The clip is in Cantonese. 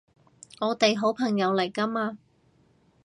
我哋好朋友嚟㗎嘛